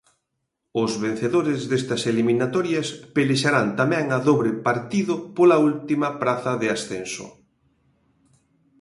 Os vencedores destas eliminatorias pelexarán tamén a dobre partido pola última praza de ascenso.